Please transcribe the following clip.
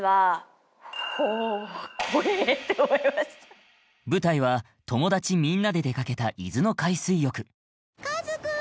あの舞台は友達みんなで出かけた伊豆の海水浴・和くん！